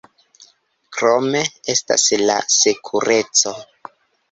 Krome estas la sekureco.